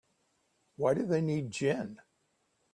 Why do they need gin?